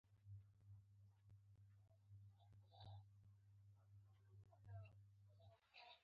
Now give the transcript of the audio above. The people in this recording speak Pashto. الکتروسکوپ ته د چارج نژدې کېدو په اثر پاڼې لیري کیږي.